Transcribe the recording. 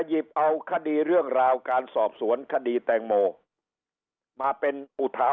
หยิบเอาคดีเรื่องราวการสอบสวนคดีแตงโมมาเป็นอุทา